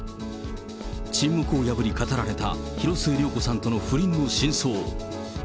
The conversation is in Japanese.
沈黙を破り語られた広末涼子さんとの不倫の真相。